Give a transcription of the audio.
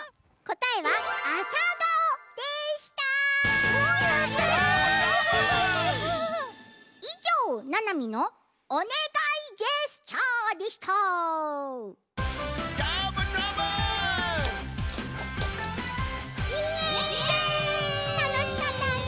たのしかったね。